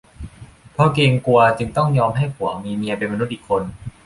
เพราะเกรงกลัวจึงต้องยอมให้ผัวมีเมียเป็นมนุษย์อีกคน